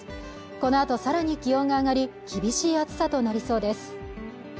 このあとさらに気温が上がり厳しい暑さとなりそうです